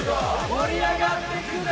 盛り上がってくぜ。